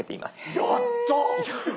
やった！え！